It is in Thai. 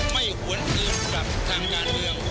ไม่ควรเอียบกับทางยานเรียง